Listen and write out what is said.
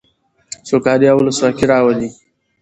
سوکالي او ولسواکي راولي.